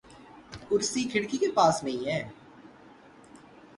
کرسی کھڑکی کے پاس نہیں ہے